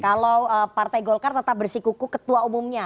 kalau partai golkar tetap bersikuku ketua umumnya